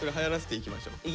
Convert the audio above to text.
いきましょう。